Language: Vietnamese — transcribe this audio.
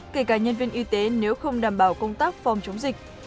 kể cả nhân viên y tế nếu không đảm bảo công tác phòng chống dịch